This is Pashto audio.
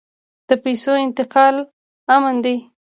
د پیسو انتقال امن دی؟